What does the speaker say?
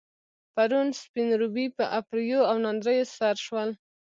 پرون، سپين روبي په ايريو او ناندريو سر شول.